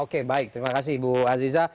oke baik terima kasih ibu aziza